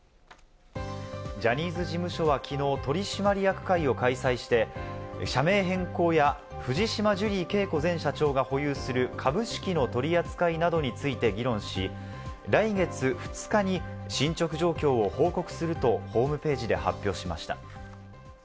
ジャニーズ事務所はきのう、取締役会を開催して社名変更や、藤島ジュリー景子前社長が保有する株式の取り扱いなどについて議論し、来月２日に進捗状況を報告するとホームページで発表しました。